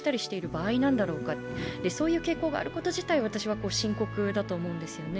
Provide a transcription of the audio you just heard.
場合なんだろうか、そういう傾向があること自体、私は深刻だと思うんですよね。